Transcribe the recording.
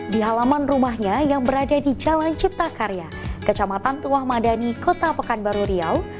di halaman rumahnya yang berada di jalan cipta karya kecamatan tuah madani kota pekanbaru riau